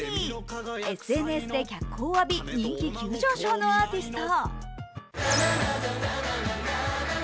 ＳＮＳで脚光を浴び人気急上昇のアーティスト。